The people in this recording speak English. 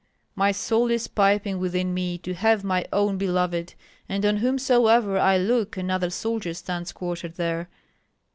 My soul is piping within me to have my own beloved, and on whomsoever I look another soldier stands quartered there.